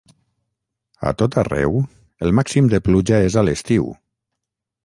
A tot arreu el màxim de pluja és a l'estiu.